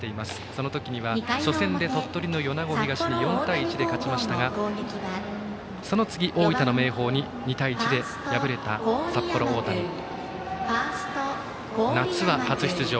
その時には初戦で鳥取の米子東に４対１で勝ちましたがその次、大分の明豊に２対１で敗れた札幌大谷。夏は初出場。